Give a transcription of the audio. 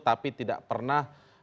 tapi tidak pernah